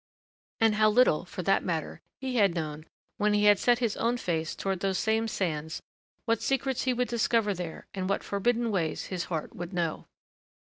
And how little, for that matter, he had known when he had set his own face toward those same sands what secrets he would discover there and what forbidden ways his heart would know.